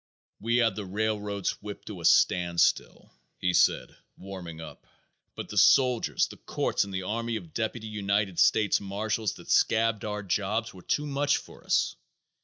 "We had the railroads whipped to a standstill," he said, warming up, "but the soldiers, the courts and the army of deputy United States marshals that scabbed our jobs were too much for us.